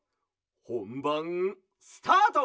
ほんばんスタート！